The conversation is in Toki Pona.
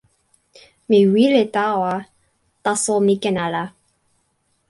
mi wile tawa, taso mi ken ala.